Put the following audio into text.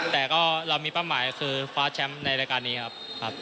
แต่ก็เรามีเป้าหมายคือคว้าแชมป์ในรายการนี้ครับ